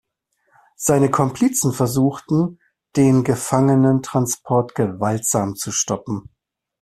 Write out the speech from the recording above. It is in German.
Seine Komplizen versuchten, den Gefangenentransport gewaltsam zu stoppen.